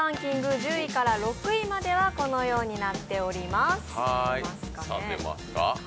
１０位から６位まではこのようになっております。